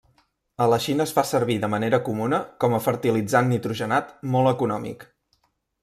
A la Xina es fa servir de manera comuna com a fertilitzant nitrogenat molt econòmic.